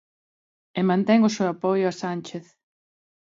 E mantén o seu apoio a Sánchez.